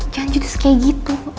jangan judus kayak gitu